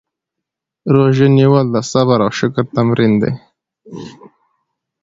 روژه نیول د صبر او شکر تمرین دی.